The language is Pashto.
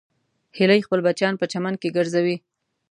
هیلۍ خپل بچیان په چمن کې ګرځوي